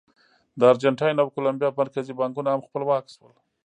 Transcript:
د ارجنټاین او کولمبیا مرکزي بانکونه هم خپلواک شول.